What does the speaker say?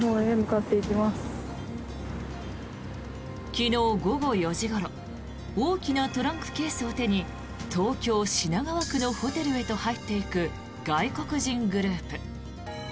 昨日、午後４時ごろ大きなトランクケースを手に東京・品川区のホテルへと入っていく外国人グループ。